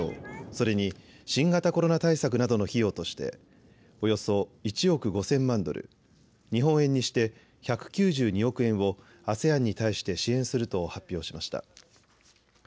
それに新型コロナ対策などの費用としておよそ１億５０００万ドル日本円にして１９２億円をＡＳＥＡＮに対して支援すると発表しました。